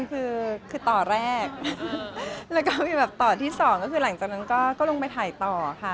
คือคือต่อแรกแล้วก็มีแบบต่อที่สองก็คือหลังจากนั้นก็ลงไปถ่ายต่อค่ะ